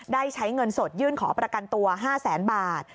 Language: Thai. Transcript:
ได้ใช้เงินสดยื่นขอประกันตัว๕แสนบาท